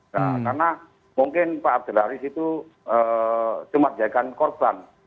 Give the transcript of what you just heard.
nah karena mungkin pak abdul haris itu cuma dijadikan korban